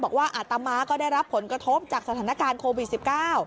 บอกว่าอาตมาก็ได้รับผลกระทบจากสถานการณ์โควิด๑๙